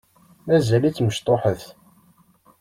Mazal-itt mecṭuḥet.